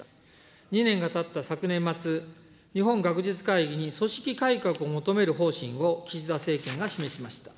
２年がたった昨年末、日本学術会議に組織改革を求める方針を岸田政権が示しました。